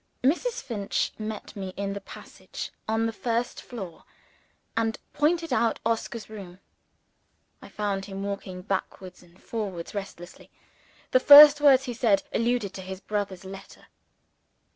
Mrs. Finch met me in the passage on the first floor, and pointed out Oscar's room. I found him walking backwards and forwards restlessly. The first words he said alluded to his brother's letter.